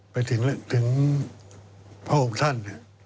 ไปถึงพระองค์ท่าน